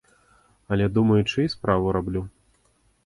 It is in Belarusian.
Але думаючы і справу раблю.